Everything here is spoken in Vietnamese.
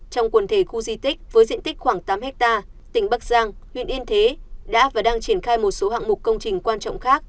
trong quần thể khu di tích với diện tích khoảng tám hectare tỉnh bắc giang huyện yên thế đã và đang triển khai một số hạng mục công trình quan trọng khác